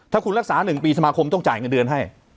ถ้าคุณรักษา๑ปีสมาคมต้องจ่ายเงินเดือนให้